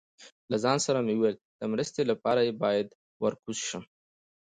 له ځان سره مې وویل، د مرستې لپاره یې باید ور کوز شم.